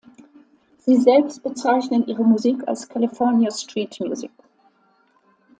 Sie selbst bezeichnen ihre Musik als "California Street Music".